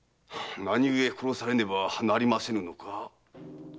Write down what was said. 何故殺されねばなりませぬのか。